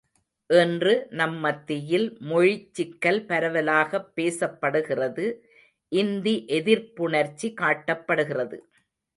இன்று, நம் மத்தியில் மொழிச் சிக்கல் பரவலாகப் பேசப்படுகிறது இந்தி எதிர்ப்புணர்ச்சி காட்டப்படுகிறது.